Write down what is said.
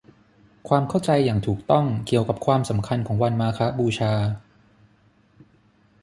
ความเข้าใจอย่างถูกต้องเกี่ยวกับความสำคัญของวันมาฆบูชา